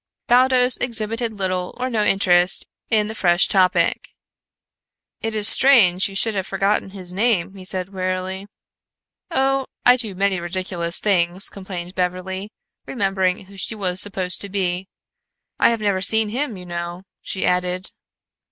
Baldos exhibited little or no interest in the fresh topic. "It is strange you should have forgotten his name," he said wearily. "Oh, I do so many ridiculous things!" complained Beverly, remembering who she was supposed to be. "I have never seen him, you know," she added.